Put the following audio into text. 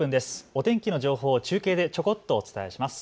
お天気の情報を中継でちょこっとお伝えします。